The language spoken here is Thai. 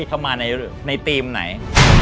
เข้ามาในธีมไหน